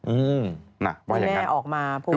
อืมว่าอย่างนั้นคุณแม่ออกมาพูด